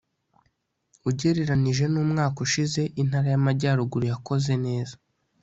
ugereranije n’umwaka ushize intara y’amajyaruguru yakoze neza